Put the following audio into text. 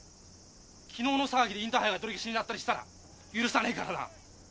昨日の騒ぎでインターハイが取り消しになったりしたら許さねえからな。